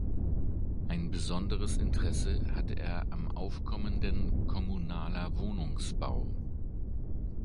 Ein besonderes Interesse hatte er am aufkommenden Kommunaler Wohnungsbau.